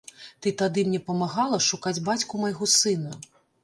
Ты тады мне памагала шукаць бацьку майго сына.